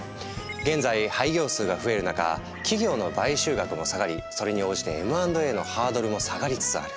現在廃業数が増える中企業の買収額も下がりそれに応じてＭ＆Ａのハードルも下がりつつある。